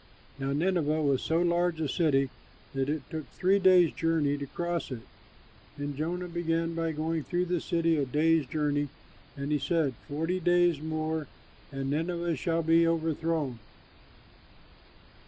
Now Nineveh was so large a city, that it took three days' journey to cross it. And Jonah began by going through the city a day's journey, and he said, "Forty days more and Nineveh shall be overthrown."